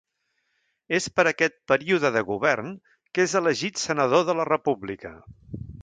És per aquest període de govern que és elegit senador de la República.